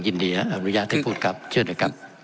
ยินดีแล้วอนุญาตให้พูดครับเชื่อหน่อยครับ